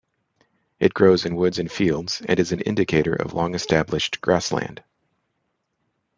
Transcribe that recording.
It grows in woods and fields, and is an indicator of long-established grassland.